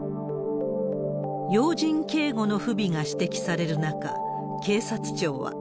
要人警護の不備が指摘される中、警察庁は。